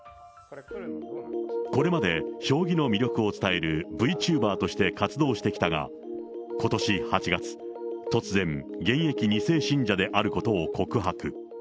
これまで、将棋の魅力を伝えるＶチューバーとして活動してきたが、ことし８月、突然、現役２世信者であることを告白。